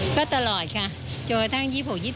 ก็ตลอดค่ะจนกระทั่ง๒๖๒